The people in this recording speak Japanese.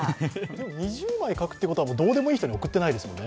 ２０枚書くということはどうでもいい人に送ってないですよね。